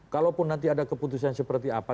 kalaupun nanti ada keputusan seperti apa